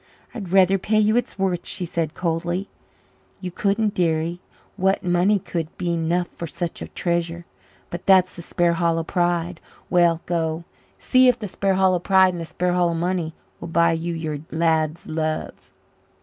"I'd rather pay you its worth," she said coldly. "You couldn't, dearie. What money could be eno' for such a treasure? But that's the Sparhallow pride. Well, go, see if the Sparhallow pride and the Sparhallow money will buy you your lad's love."